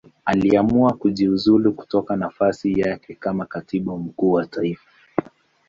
Aliamua kujiuzulu kutoka nafasi yake kama Katibu Mkuu wa Taifa.